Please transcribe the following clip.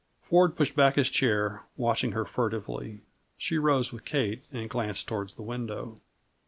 Ford pushed back his chair, watching her furtively. She rose with Kate, and glanced toward the window.